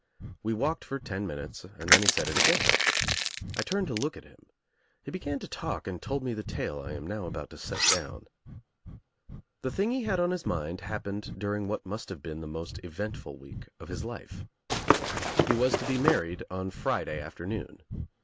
We walked for ten minutes and then he said it again. I turned to look at him. He began to talk and told me the tale I am now about to set down. The thing he had on his mind happened during what must have been the most eventful week of his life. He was to be married on Friday afternoon.